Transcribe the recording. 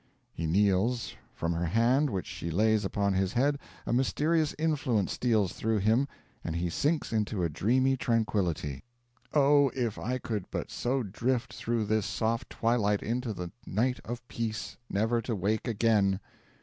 He kneels. From her hand, which she lays upon his head, a mysterious influence steals through him; and he sinks into a dreamy tranquility. 'Oh, if I could but so drift Through this soft twilight into the night of peace, Never to wake again!